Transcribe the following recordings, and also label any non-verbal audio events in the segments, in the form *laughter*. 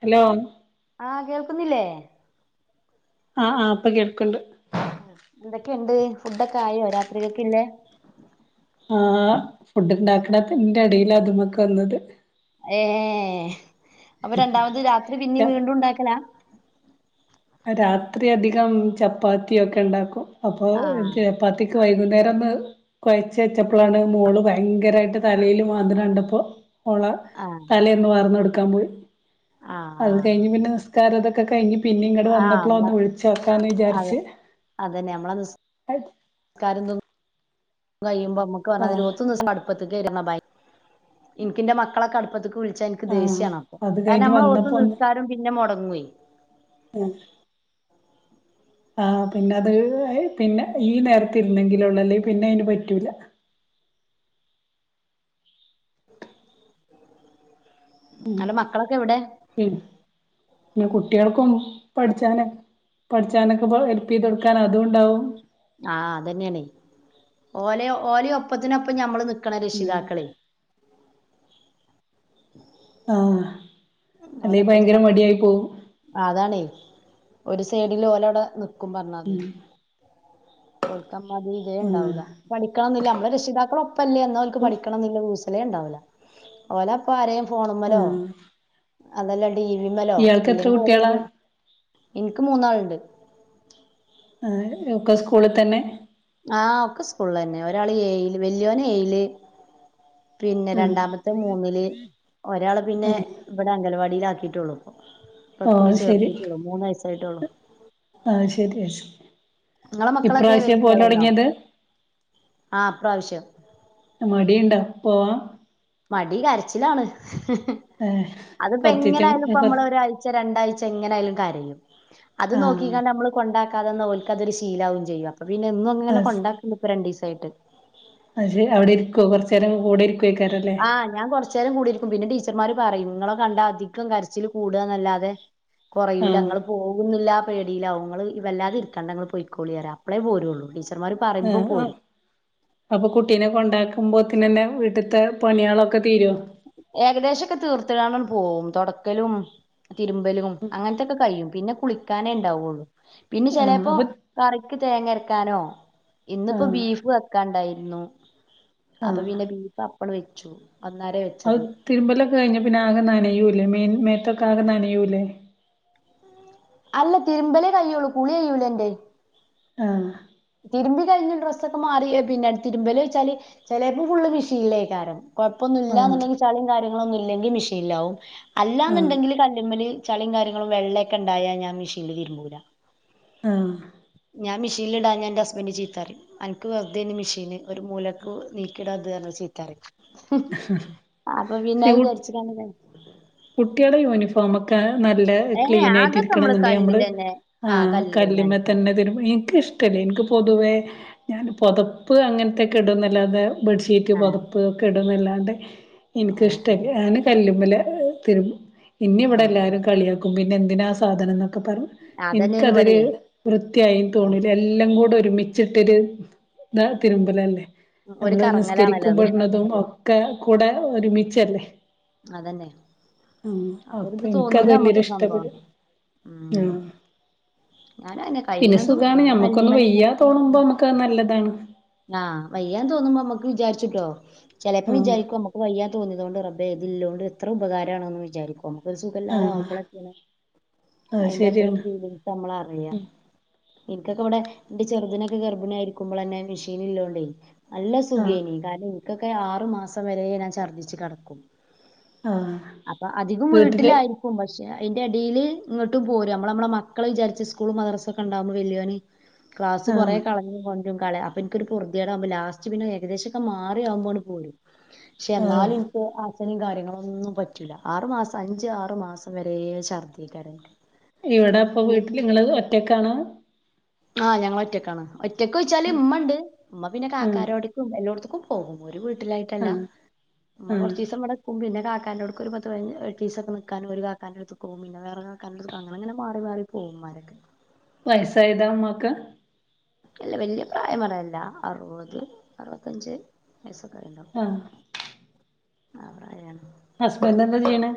Hello ആഹ് കേൾക്കുന്നില്ലേ ആഹ ആ് അപ്പൊ കേക്ക്ണ്ട് എന്തൊക്കെയുണ്ട് ഫുഡൊക്കെ ആയോ രാത്രിക്കേല്ക്കി ഇള്ളെ ആഹ് ഫുഡ് ഇണ്ടാക്കണന്റെ ഇഡേല ഇതിക്ക് വന്നത് ഏ അപ്പൊ രണ്ടാമത് രാത്രി പിന്നെ വീണ്ടും ഉണ്ടാക്കല രാത്രി അധികം ചപ്പാത്തിയൊക്കെ ഉണ്ടാക്കും അപ്പൊ ആഹ് ചപ്പാത്തിക്ക് വൈ വൈന്നേരം ഒന്ന് കൊയച്ച് വെച്ചപ്പോളാണ് മോള് ഭയങ്കരായിട്ട് ഓള ആഹ് തലയൊന്ന് വാർന്നോടക്കാൻ പോയി അത് ആഹ് കഴിഞ്ഞ് പിന്നെ നിസ് ർതൊക്കെ കഴിഞ് പി ഇങ്ങട് ആഹ് വന്നപ്പോളൊ നമ്മള ഒന്ന് വിളിച്ചോക്കാന്ന് അത് വിചാരിച്ച് കാരം തിന്നു കയുമ്പോ മ്മക്ക് ആ വേണം ഒത്ത് ദിവ അടു *unintelligible* ഇനിക്ക് ഇന്റെ മക്കളൊക്കെ അടുപ്പത്ത്ക്ക് വി ച്ചാ എനിക്ക് ആ ദേഷ്യാണ് അപ്പൊ അത് കാരണം കഴിഞ്ഞ് മ്മളെ ഓത്തു നിസ്ക്കാരം പിന്നെ ഉം ആഹ് പിന്നെ അത് അയ് പിന്നെ ഈ നേരത്തിരുന്നെങ്കിലുള്ളു അല്ലെങ്കി പിന്നെ അയിന് പറ്റൂല അല്ല മക്കളൊക്കെ എവിടെ ഉം പിന്നെ കുട്ടിയോൾക്കും പഠിച്ചാന പഠിച്ചാനൊക്കെ ഹെല്പ്പ് ചെയ്ത് കൊടുക്കാൻ അതും ഉണ്ടാവും ആഹ് അതന്നെയണേ ഓല ഓല ഒപ്പത്തിനൊപ്പം ഞമ്മള് നി ക്കണരക്ഷിതാക്കളെ ആഹ് അല്ലെങ്കി ഭയങ്കര ഓലപ്പത്തിനൊപ്പം മടിയായി പോവും അതാണെ ഒരു സൈഡില് ഓലടെ നി കുംബർണാതിരി *inaudible* ഓൽക്കമ്മതി തേണ്ടാവൂല്ല ആഹ് പഠിക്കണം എന്നില്ല നമ്മെ രക്ഷിതാക്കള ഒപ്പല്ലേ എന്നാ അവക്ക് പഠിക്കണം എന്നുള്ള കൂ ലേ ഉണ്ടാവൂല ഓലപ്പൊ ആരേം ഫോണ്മ്ലോ ആഹ് അതല്ലാ ടി വി മലോ ഇയാൾക്ക് എത്ര ഇല്ലെങ്കി കുട്ടികളാ ഓലെന്തെ ഇനിക്ക് മൂന്നാളുണ്ട് ആഹ് ഒക്കെ സ്കൂളിൽ തന്നെ ആഹ് ഒക്കെ സ്കൂളന്നെ ഒരാള് ഏയില് വല്യോനെയില് പിന്നെ ആഹ് രണ്ടാമത്തെ മൂന്നില് ആഹ് പക്കുറി ഓഹ് ശരി ചേർത്തിട്ടുള്ളൂ മൂന്ന് വയസായിട്ടോളു ആഹ് ശരിയാ ശരി ങ്ങളെ മക്കളൊക്കെ ഇപ്രാവശ്യ പോവല് വെല്യട്ടളായിന്നോ തൊടങ്ങിയത് ആഹ് ഇപ്രാവശ്യം മടിയുണ്ടാ പോവാ മടി കരച്ചിലാണ് ഹ് ഹ് ഏഹ് അതിപ്പോ കൊറച്ചീച്ചെ എങ്ങനൊയാലും ഇപ്പ നമ്മള ഒരാഴ്ച രണ്ടാഴ്ച എങ്ങനൊയാലും കരയും അത് നോക്കി ആഹ് കാണ്ട് നമ്മള് കൊണ്ടാക്കാതന്നാ ഓൽക്കതൊരു ശീലാവും ചെയ്യു പിന്നെ എന്നും അങ്ങനെ കൊണ്ടാക്ക്ണ്ട് ഇപ്പ രണ്ടീസായിട്ട് അയശെ അവിടെരിക്കോ കുറച്ചേര കൂടെ ഇരിക്കു ആഹ് ഞാൻ കൊറച്ചേരം കൂടിരിക്കും പിന്നെ ടീച്ചർമാര് പറയും ങ്ങള കണ്ട അധികം കരച്ചില് കൂടാന്നല്ലാതെ കുറയൂല ആഹ് ങ്ങൾ പോകുന്നില്ല പേടിലാവും ങ്ങള് വല്ലാതിരിക്കണ്ട ങ്ങള് പോയ്ക്കോളിറയും അപ്പേളേ പോരുള്ളു ഫിസി എ അ അപ്പൊ കുട്ടീനെ കൊണ്ടാക്കുമ്പോത്തി പിന്നെന്നെ വീട്ടിത്തെ പണിളൊക്കെ തീരോ ഏകദേശക്കെ തീർത്ത്കാണ്ട് പോകും തുടക്കലും തിരുമ്പലും അങ്ങനത്തൊക്കെ കയും പിന്നെ കുളിക്കാനേ ഉണ്ടാവുള്ളു പിന്നെ ആഹ് ചിലേപ്പോ അപ്പൊ ഇക്ക് തേങ്ങരക്കാനോ ഇന്നിപ്പോ ആഹ് ബീഫ് വെക്കാണ്ടായിരുന്നു അപ്പൊ ആഹ് പിന്നെ ബീഫ് അപ്പള് വെച്ചു അന്നേര വ അത് തിരുമ്പലൊക്കെ കഴിഞ്ഞ പിന്നെ ആകെ നനയൂല്ലേ മേ മേത്തേ ട്ടാകെ നനയൂലേ അല്ല തിരുമ്പലേ കയ്യുള്ളൂ കുളി കയൂല എൻ്റെ ആഹ് തിരുമ്പി കഴിഞ്ഞ് ഡ്രസ്സൊക്കെ മാറി പിന്നെ അടു തിരുമ്പലയ്ച്ചാല് ചിലേപ്പോ ഫുള്ള് മിഷീനിലേക്കാരം കൊഴ ആഹ് ഒന്നുല്ലാന്ന്ണ്ടെങ്കി ചളിം കാര്യങ്ങളൊന്നും ഇല്ലങ്കിൽ മിഷീനിലാവും ആഹ് അല്ലാന്ന്ണ്ടെങ്കിൽ കല്ലുമല് ചളിയും കാര്യങ്ങളും വെള്ളയൊക്കെ ഇണ്ടായ ഞാൻ മെഷീനിൽ തിരുമ്പൂലാ ആഹ് ഞാൻ മിഷീൽ ഇടാ ഞൻ എന്റെ ഹസ്ബന്റ് ചീത്തറി അൻക്ക് വെറുതേന് മെഷീന് ഒരു മൂലക്ക് നീക്കിടാ അത് അർന് ചീത്തറിം അപ്പൊ പിന്നെ അത് വിചാരിച്ച്ക്കാണ്ട് ഞാൻ കുട്ടിയടെ യൂണിഫോമൊക്കെ നല്ല ഏ ക്ലീൻ ആയിട്ട് അതൊക്കെ ഇരിക്കണംന്ന്ണ്ടെ നമ്മള് കല്ലിലന്നെ ആ കല്ലിലന്നെ കല്ല്മ അലക്കണം തന്നെ തിര്മ്പും ഈ ൻക്ക് ഇഷ്ടല്ല ഇൻക്ക് പൊതുവേ ഞാൻ പൊതപ്പ് അങ്ങനത്തെക്കെ ഇടുന്നല്ലാതെ ബെഡ്ഷീറ്റ് ആ പൊതപ്പ് ഒക്കെ ഇടുന്നല്ലാണ്ട് ആ ഇൻക്കിഷ്ടല്ല ഞാൻ കല്ലുമ്മല തിര്മ്പും ഇന്നെ ഏ ഇവടെ എല്ലാരും കളിയാക്കും പിന്നെ എന്തിനാ ആ സാധനംന്ന് ക്കെ പറിം അതന്നെയാണ് ഇൻക്കതൊരു ഇവിടെയേ വൃത്തിയായിന്ന് തോന്നൂല എല്ലാം കൂടെ ഒരുമിച്ചിട്ടൊരു ത തിരുമ്പല അല്ലേ ഒരു നമ്മള് കറങ്ങലാണല്ലോ അത് നിസ്കരിക്കുമ്പോടുന്നതും ഒക്കെ കൂടെ ഒരുമിച്ചല്ലേ അതന്നെ ആ അപ്പൊ ഇത് ഇൻക്ക അത് തോന്നൂല വല്യരു നമ്മക്ക് സംഭവം ഇഷ്ടപ്പെട് ആ ഉം ഞാനങ്ങനെ പിന്നെ കഴിയണതും സുഖാണ് ഞമ്മക്കൊന്ന് കല്ലുമ്മലന്നെ വയ്യാ തോണുമ്പോ നമ്മുക്ക് അത് നല്ലതാണ് ആ വയ്യാൻ തോന്നുമ്പോ നമ്മുക്ക് വിചാരിച്ചിട്ടോ ചിലപ്പം ആഹ് വിചാരിക്കോമ്മക്ക് വയ്യാ തോന്നിയതോണ്ട് റബേ ഇതില്ലോണ്ട് എത്ര ഉപകാരാണ്ന്ന് വിചാരിക്കും നമുക്കൊരു ആഹ് സുഖംല്ലാതാവുമ്പളെക്കെണ് അത് അയിന്റെ അത്രയും ശരിയാണ് ഫീലിങ്സ് നമ്മൾ അറിയാം ഇൻക്കൊക്കെ ഇവിടെ എന്റെ ചെറുതിനൊക്കെ ഗർഭിണി ആയിരിക്കുമ്പളന്നെ മെഷീൻ ഇള്ളോണ്ടേ അല്ല ആഹ് സുഖേനി കാരണം ഇൻക്കൊക്കെ ആറു മാസം വരെ ഞാൻ ഛർദ്ദിച്ചു കിടക്കും ആഹ് അപ്പൊ അധികം വീട്ടില് വീട്ടിലായിരിക്കും പക്ഷെ അയിന്റെ അടീൽ ഇങ്ങട്ടും പോരും അമ്മള അമ്മളെ മക്കള് വിചാരിച്ച് സ്കൂള് മദ്രസൊക്കെ ഇണ്ടാവുമ്പോ വല്യോന് ക്ലാസ് കൊറേ ആഹ് കളഞ്ഞു കൊണ്ട്രും കല അപ്പ ഇൻക്കൊരു പൊർതിയാടാകുമ്പോ ലാസ്റ്റ് പിന്നെ ഏകദേശൊക്കെ മാറിയാവുമ്പോ ആണ്ട് പോരും ക്ഷെ ആഹ് ന്നാലും ഇൻക്ക് അ ഇനും കാര്യങ്ങളൊന്നും പറ്റൂല്ല ആറു മാസം അഞ്ച് ആറു മാസം വരെ ഛർദ്ദിക്കേരൻക്ക് ഇവിടെ അപ്പൊ വീട്ടിൽ ഇങ്ങള് ഒറ്റക്കാണ് ആ ഞങ്ങളൊറ്റക്കാണ് ഒറ്റക്കോയ്ച്ചാല് ഇമ്മണ്ട് ഇമ്മ പിന്നെ ആഹ് കാക്കാരോടക്കും എല്ലോട്ത്ത്ക്കും പോകും ഒരു വീട്ടിലായിട്ടല്ല ആഹ് ഇമ്മ ആഹ് കൊറചീസം ഇവടെക്കും പിന്നെ കാക്ക കാക്കാന്റൊട്ക്ക്‌ ഒര് പത്ത് പയ്ന എട്ടീസൊക്കെ നിക്കാനും ഒര് കാക്കന്റെട്ത്ത്ക്കോവും പിന്നെ വേറെ കാക്കാന്റട്ത്ത്ക്ക് അങ്ങനങ്ങനെ മാറി മാറി പോകും ഉമ്മ മാരക്കെ വയസ്സായതാ ഇമ്മാക്ക് അല്ല വല്ല്യ പ്രായം പറയാല്ല അറുപത് അറുപത്തഞ്ച് വയസ്സൊക്കായിണ്ടാവും ആഹ് ഹസ്ബൻഡ് എന്താ ചെയ്യ്ണെ?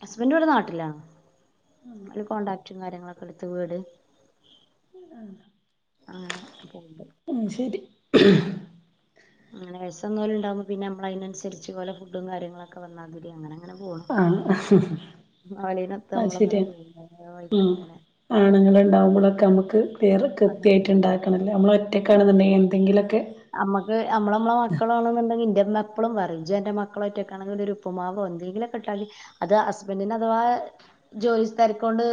ഹസ്ബൻഡ് ഇവടെ നാട്ടിലാണ് ഒരു കോൺട്രാക്റ്റും കാര്യങ്ങളൊക്കെ ഇട്ത്ത വീട് അങ്ങനെ പോക്ണ്ട് ഉം ശരി അങ്ങന വയസ്സന്നോല് ഇണ്ടാവുമ്പോ പിന്നെ നമ്മൾ അതിനനുസരിച്ച് ഓലെ ഫുഡും കാര്യങ്ങളൊക്കെ വന്നാതിരി അങ്ങനെ ആ മാളിനൊത്ത് അമ്മളങ്ങനെ *inaudible* വൈക്ക് ഉം ഇങ്ങനെ ക്ക് പേർ കൃത്യായിട്ട് ഇണ്ടാക്കണം നമ്മൾ ഒറ്റയ്ക്കാണ്ന്ന്ണ്ടങ്കി എന്തെങ്കിലൊക്കെ നമ്മക്ക് നമ്മള് നമ്മളെ മക്കളാണെന്നുണ്ടെങ്കിൽ ഇന്റെട് ഉമ്മ എപ്പളും പറയും ഇജ്ജ് അന്റെ മക്കളൊറ്റക്കാണെങ്കിൽ ഒരു ഉപ്പമാവോ എന്തെങ്കിലൊക്കെട്ടാൽ അത് ഹസ്ബന്റിന് അത് ആ ജോലി തരക്കോണ്ട്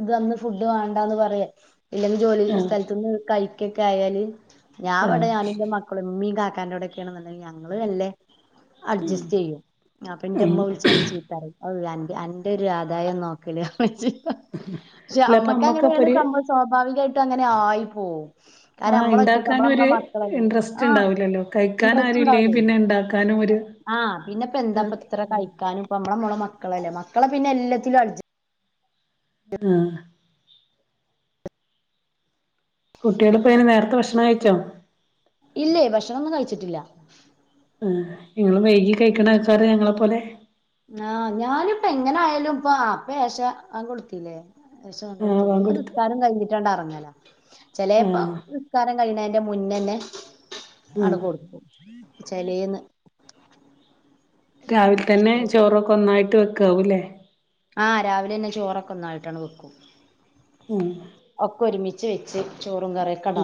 ഇത് ഇന്ന് ഫുഡ് വേണ്ടാന്ന് പറയേ ഇല്ലെങ്കി ജോലി ആഹ് സ്ഥലത്ത്ന്ന് കഴിക്കൊക്കെ ആയാല് ഞാൻ ഇവടെ ആഹ് ഞാന് പ്പള് ഇമ്മിം കാക്കാന്റോടെക്കെയണെന്നുണ്ടങ്കി ഞങ്ങള് വെല്ല അഡ്ജസ്റ്റ് ചെയ്യും അപ്പൊ ഉം ന്റെമ്മ വിളിച്ചാണ്ട് ചീത്തറിം അവ് അന്റെ അന്റെ ഒരാധായം നോക്കല് *unintelligible* പക്ഷെ അല്ല അപ്പൊ നമ്മക്ക് അങ്ങനെയാണ് അമ്മക്കപ്പൊരു സംഭവം സ്വാഭാവികായിട്ട് അങ്ങനെ ആയിപ്പോവും ആ ഇണ്ടാക്കാന് ഒരു ഇന്ട്രസ് ആഹ് ഇണ്ടാവൂല്ലല്ലോ കഴിക്കാൻ ഇൻട്രസ്റ്റ് ആരൂല്ലെങ്കിൽ ഉണ്ടാവൂലേ പിന്നെ ഇണ്ടാക്കാനുമൊരു ആഹ് പിന്നെപെന്താപ്പ ഇത്ര കഴിക്കാനും ഇപ്പ നമ്മള് നമ്മളെ മക്കളല്ലേ മക്കളെ പിന്നെ എല്ലാത്തിലും അഡ്ജ് ആ കുട്ടികളിപ്പോ അയിന് നേരത്തെ ഭക്ഷണം കഴിക്കോ ഇല്ലേയ് ഭക്ഷണൊന്നും കഴിച്ചിട്ടില്ല മ്മ് നിങ്ങള് വൈകി കഴിക്കണ ആൾക്കാരാ ഞങ്ങളെ പോലെ ആഹ് ഞാനിപ്പ എങ്ങനെ ആയാലും ഇപ്പൊ ആപ്പോഏശ വാങ്ക് കൊടുത്തിലെ ഏഷ വാങ്ക് ആഹ് കൊടുത്തു ബാങ്ക് ഇനിപ്പോ കൊടുത്ത് നിസ്കാരം കഴിഞ്ഞിട്ടാണ്ടറങ്ങലാ ചെലാപ്പോ ആഹ് നിസ്കാരം കൈണെന് ന്റെ മുന്നന്നെ അണ്ട് ആഹ് കൊടുത്ത് ചെലേന്ന് രാവിലെ തന്നെ ചോറൊക്കൊന്നായിട്ട് വെക്കാവൂല്ലേ ആഹ് *inaudible* രാവിലെന്നെ ചോറൊക്കൊന്നായിട്ടാണ് വെക്കും ഉം ഒക്കൊരുമിച്ച് വെച്ച് ചോറും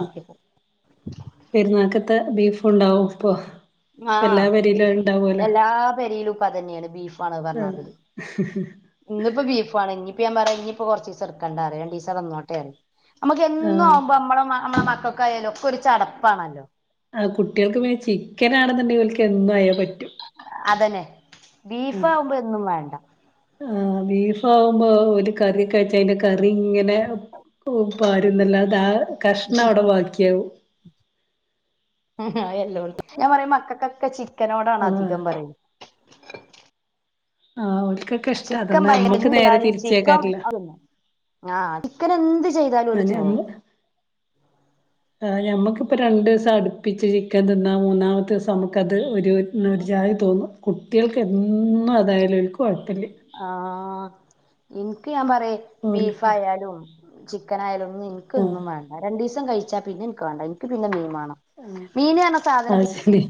ഉം വെക്കും ത്തെ ബീഫ്ണ്ടാവും പ്പൊ ആഹ് ബീഫ് എല്ലാ പെരയിലും ഇപ്പോ അതന്നെയാണ് ബീഫാണ് ആഹ് പറഞ്ഞമാതിരി ഇന്നിപ്പൊ ബീഫാണ് ഇനിയിപ്പോ ഞാൻ പറ ഇനിയിപ്പൊ കൊറചീസം ഇടുക്കണ്ട പറയ് രണ്ടീസം അവിടെന്നോട്ടെ പറയ് നമ്മുക്ക് എന്നു ആഹ് ആവുമ്പോ നമ്മളെ നമ്മളെ മക്ക കയലക്കെ ഒരു ചടപ്പാണല്ലോ ആ കുട്ട്യേൾക്ക് പിന്നെ ചിക്കനാണെന്നുണ്ടെങ്കിൽ ഓൽക്ക് എന്തായാ പ അതന്നെ ബീഫ് ആവുമ്പൊ എന്നും വേണ്ട ആ ബീഫാവുമ്പോ ഒരു കറി കഴിച്ചയിന്റെ കറിങ്ങന ആ പാരുന്നല്ലാ തെആ കഷ്ണവടെ ബാക്കിയാവും ആഹ് എല്ലൊട്ത്തും ഞാൻ പറയും മക്കക്കൊക്കെ ചിക്കനോടാണ് ആഹ് അധികം പറയു *inaudible* ആ ചിക്കൻ *unintelligible* ചിക്കം ചിക്കൻ എന്ത് ചെയ്താലു ഓല് തിന്നും ആ ഞമ്മക്കിപ്പ രണ്ടീസം അടുപ്പിച്ച് ചിക്കൻ തിന്ന മൂന്നാമത്തീസം നമുക്കത് ഒരു പിന്നെരു ചായി തോന്നും കുട്യാൾക്ക് എന്നും അതായാലും ഒല്ക്കൊ ആ ഇന്ക്ക് ഞാൻ പറയാ ഓലിക്ക ബീഫായാലും ചിക്കനായാലും ആഹ് ഇനിക്കൊന്നും വേണ്ട രണ്ടീസം കഴിച്ചാ പിന്നെ ഇന്ക്ക് വേണ്ട ഇന്ക്ക് പിന്നെ മീൻ വാ മീന് പറഞ്ഞ സാധനം അത് പി ശരി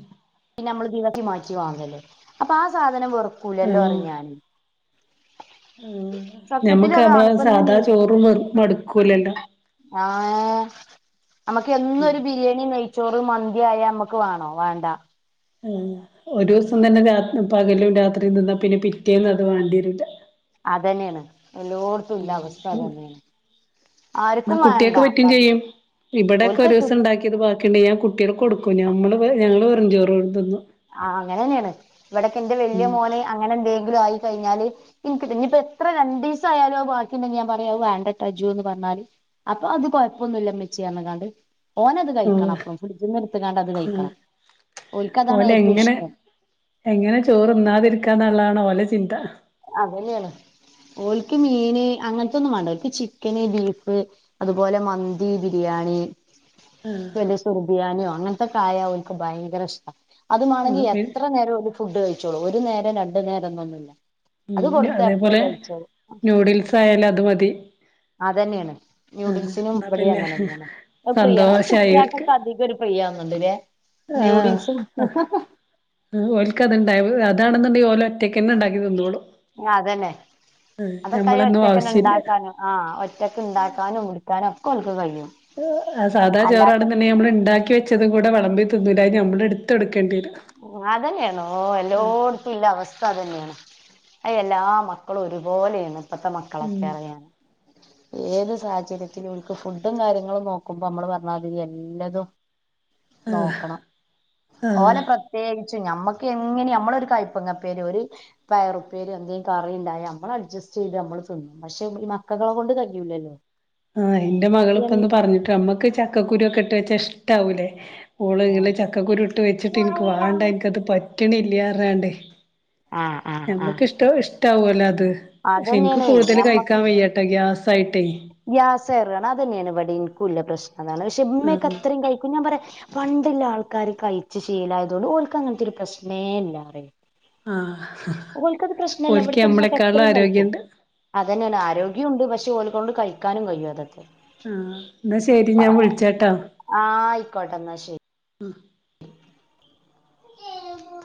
ന്നെമ്മള് ദിവസി മാറ്റി വാങ്ങല്ലേ അപ്പൊ ആ സാധനം വെറുക്കൂലല്ലോ അറിയുംഞാൻ ആ ഞമ്മക്ക് അതാണ് നമ്മളെ ഇപ്പൊ ഇന്ന് സാധാ ചോറും വെറ് മടുക്കൂലല്ലോ ഏ നമക്ക് എന്നെരു ബിരിയാണി നെയ്ച്ചോറ് മന്തി ആയാ നമ്മക്ക് വേണോ വാണ്ട ആ ഒരൂസം തന്നെ രാ പകലും രാത്രിയും തിന്നാ പിന്നെ പിറ്റേന്നത് വണ്ടിവരൂല അതെനെയാണ് എല്ലൊട്ത്തുംല്ല അവസ്ഥ അത് തന്നെണ് എന്നാ കുട്യാക്ക് പറ്റും ചെയ്യും ഇവിടെക്കെ ഒരു ഓൽക്കറ്റും ദിവസം ഉണ്ടാക്കിയത് ക്കിണ്ടെങ്കി ഞാൻ കുട്യാക്കെട്ത്ത് കൊടുക്കും ഞമ്മൾ ഞങ്ങള് വെറുചോറ് തിന്നും ആ അങ്ങനെന്നെയാണ് ഇവിടൊക്കെ എന്റെ വല്യ ഉം മോനെ അങ്ങനെ എന്തെങ്കിലും ആയി കഴിഞ്ഞാല് ന്ക്കിത് ഇപ്പോ എത്ര രണ്ടിസായാലും ബാക്കിണ്ടെങ്കി ഞാൻ പറയാ അത് വെണ്ടട്ടൊ അജൊന്ന് പറഞ്ഞാല് അപ്പൊ അത് കൊഴപ്പൊന്നുല്ല മ്മച്ചീ പറഞ്ഞ്ങ്ങാണ്ട് ഓനത് കഴിക്കണം ആഹ് അപ്പം ഫ്രിഡ്ജിന്ന് ട്ത്ത്കാണ്ടത് കഴിക്കണം ഒല്ക്കതാണ് ഏ എങ്ങനെ എങ്ങനെ ചോറ് തിന്നാതിരിക്കാന്ള്ളതാണ് ഓലെ ചിന്ത ഒല്ക്ക് മീന് അങ്ങനത്തൊന്നും വാണ്ട ഒല്ക്ക് ചിക്കന് ബീഫ് അതുപോലെ മന്തി ബിരിയാണി വല്ല സുര്ബിയാനിയോ അങ്ങനത്തെകായാ ഓല്ക്ക് ഭയങ്കര ഇഷ്ട ആഹ് അതുമാണെങ്കിൽ പി എത്ര നേരം ഒരു ഫുഡ് കഴിച്ചോളൂ ഒരു നേരം രണ്ടു നേരംന്നൊന്നുല്ല ഉ അതേപോലെ ന്യൂഡിൽസ് ആയാലത് മതി അതെന്നെയാണ് ആഹ് നൂഡിൽസിനും എന്നാ ഇവിടെം പിന്നെ അങ്ങനെന്നെയാണ് അത് പ്രീയാണ് അത് സന്തോഷായി ഓൽക്ക് കുട്യാൾക്കൊക്കെ അധികം ഒരു പ്രീയാ ണ്ട്ലെ ന്യൂഡിൽസും ഓല്ക്കത് ഇണ്ടായ അതാണെന്ണ്ടങ്കിൽ ഓലോറ്റക്ക്ണ്ടാക്കി നിന്നോളും ആ അതന്നെ അതൊക്കയ്ന് ഞമ്മളൊന്നും ഒറ്റക്കെന്നെ ആവശ്യല്ല ണ്ടാക്കാനും ആ ഒറ്റക്ക്ണ്ടാക്കാനും കുടിക്കാനും ആ സാധാ ചോറാണ് അല്ലാത്ത ന്ണ്ടെങ്കി നമ്മള്ണ്ടാക്കി വെച്ചതും കൂടെ വെളമ്പി തിന്നൂല അത് നമ്മള് എടുത്തെട് അതന്നെയണോ എല്ലോടത്തുംല്ല അവസ്ഥ അതന്നെയാണ് അ എല്ലാ മക്കളും ഒരുപോലെയാണ് ഇപ്പത്തെ ഉം മക്കളൊക്കെ അറിയ ഏത് സാഹചര്യത്തിൽ ഓൽക്ക് ഫുഡും കാര്യങ്ങളും നോക്കുമ്പോ നമ്മള് പറഞ്ഞ മാതിരി എല്ലതും ആഹ് നോക്കണം ആഹ് ഓലെ പ്രത്യേകി ച്ച്നമ്മക്ക് എങ്ങനെം നമ്മളൊരു കൈപ്പങ്ങപ്പേരി ഒരു പയറുപ്പേരി എന്തെലും കറിണ്ടായ നമ്മളഡ്ജസ്റ്റ് ചെയ്ത് നമ്മള് തിന്നും പക്ഷെ ഈ മക്കകളെ കൊണ്ട് കയ്യൂല്ലല്ലോ ആ എന്റെ മകള് ഇപ്പേന്ന് പറഞ്ഞിട്ട് നമ്മക്ക് ചക്കക്കുരു ഒക്കെ ഇട്ട് വെച്ചാ ഇഷ്ടാവൂലേ ഓള് ഇങ്ങള് ചക്കക്കുരു ഇട്ട് വെച്ചിട്ട് ഇന്ക്ക് വാണ്ട ഇന്ക്കത് പറ്റണില്ല പറഞ്ഞ്ങാണ്ടേ ആ ആ ആ റ്റാവല്ലോ അത് പക്ഷെ ഇന്ക്ക് കൂടുതൽ ഞമ്മക്ക് കഴിക്കാൻ വയ്യട്ട ഗ്യാസായിട്ടേ തെറാണ് അതന്നെയാണ് ഇവിടെ ഇത്ക്കൂല്ലെ പ്രശ്ണതാണ് പക്ഷെമ്മയൊക്കെ ആഹ് എത്രയും കഴിക്കും ഞാൻ പറയ പണ്ടില്ല ആൾക്കാര് കഴിച്ച് ശീലായതോണ്ട് ഓല്ക്കങ്ങനത്തെ ഒരു പ്രശ്നേ ഇല്ലറിയ ആ ഓല്ക്കത് പ്രശ്നല്ല ഇവിടത്തെമ്മക്കെത്രയും കഴിക്കും ആരോഗ്യണ്ട് അതന്നെയാണ് ആരോഗ്യോണ്ട് പക്ഷെ ഓല് കൊണ്ട് കഴിക്കാനും കയ്യും അതൊക്കെ ആഹ് എന്നാ ശരി ഞാൻ വിളിച്ചാട്ടോ ആയിക്കോട്ടെ എന്നാ ശരി ശരി